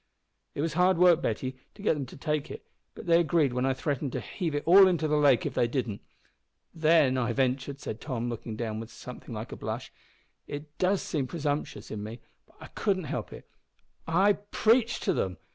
"It was hard work, Betty, to get them to take it, but they agreed when I threatened to heave it all into the lake if they didn't! Then I ventured," said Tom, looking down with something like a blush "it does seem presumptuous in me, but I couldn't help it I preached to them!